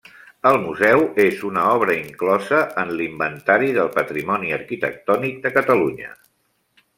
El museu és una obra inclosa en l'Inventari del Patrimoni Arquitectònic de Catalunya.